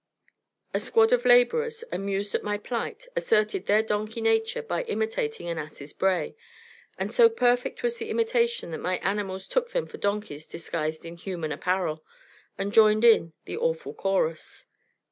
A squad of laborers, amused at my plight, asserted their donkey nature by imitating an ass's bray, and so perfect was the imitation that my animals took them for donkeys disguised in human apparel, and joined in the awful chorus.